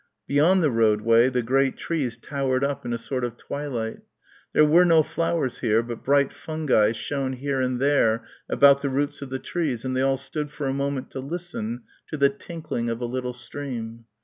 Beyond the roadway the great trees towered up in a sort of twilight. There were no flowers here, but bright fungi shone here and there about the roots of the trees and they all stood for a moment to listen to the tinkling of a little stream.